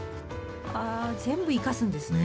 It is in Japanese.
あ全部生かすんですね。ね。